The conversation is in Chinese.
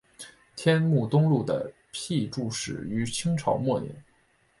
天目东路的辟筑始于清朝末年。